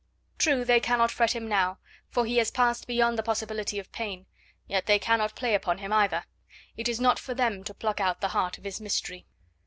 True, they cannot fret him now, for he has passed beyond the possibility of pain; yet they cannot play upon him either; it is not for them to pluck out the heart of his mystery.